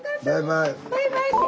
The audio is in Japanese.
バイバイって。